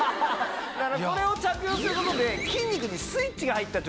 これを着用することで。